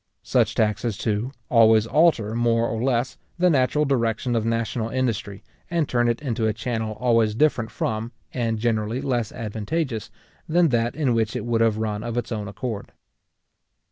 Such taxes, too, always alter, more or less, the natural direction of national industry, and turn it into a channel always different from, and generally less advantageous, than that in which it would have run of its own accord.